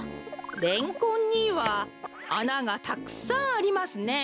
レンコンにはあながたくさんありますね。